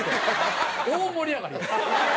大盛り上がりよ。